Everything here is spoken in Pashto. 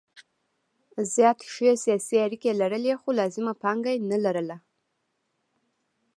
زیات ښې سیاسي اړیکې لرلې خو لازمه پانګه نه لرله.